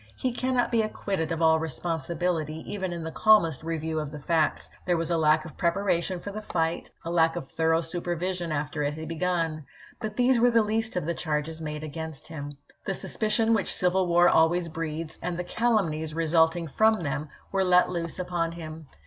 He cannot be ac quitted of all responsibility even in the calmest review of the facts ; there was a lack of preparation for the fight, a lack of thorough supervision after it had begun. But these were the least of the charges made against him. The suspicions which civil war always breeds, and the calumnies result ing from them, were let loose upon him.